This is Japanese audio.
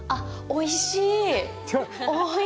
おいしい。